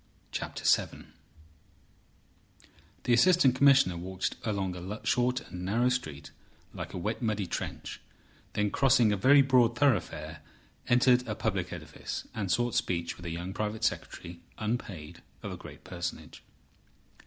CHAPTER VII The Assistant Commissioner walked along a short and narrow street like a wet, muddy trench, then crossing a very broad thoroughfare entered a public edifice, and sought speech with a young private secretary (unpaid) of a great personage.